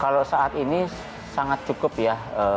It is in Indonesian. kalau saat ini sangat cukup ya